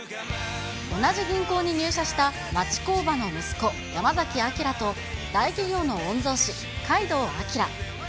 同じ銀行に入社した町工場の息子、山崎あきらと大企業の御曹司、階堂彬。